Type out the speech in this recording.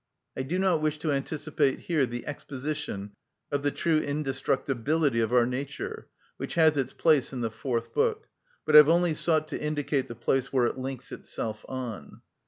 I do not wish to anticipate here the exposition of the true indestructibility of our nature, which has its place in the fourth book, but have only sought to indicate the place where it links itself on.